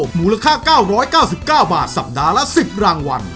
มูลค่า๙๙๙บาทสัปดาห์ละ๑๐รางวัล